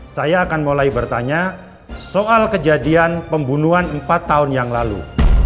saya akan mulai bertanya soal kejadian pembunuhan empat tahun yang lalu